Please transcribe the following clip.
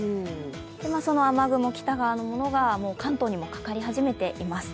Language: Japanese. その雨雲、北側のものが関東にもかかり始めています。